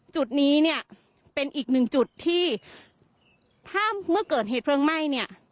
จุดนี้เนี่ยเป็นอีกหนึ่งจุดที่ถ้าเมื่อเกิดเหตุเพลิงไหม้เนี่ย